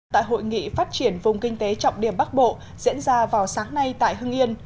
tại hội nghị phát triển vùng kinh tế trọng điểm bắc bộ diễn ra vào sáng nay tại hưng yên